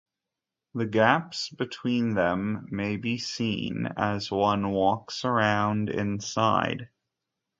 The gaps between them may be seen as one walks around inside.